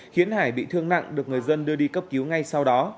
khiến hải bị thương nặng được người dân đưa đi cấp cứu ngay sau đó